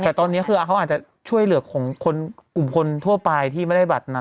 แต่ตอนนี้คือเขาอาจจะช่วยเหลือของคนกลุ่มคนทั่วไปที่ไม่ได้บัตรนั้น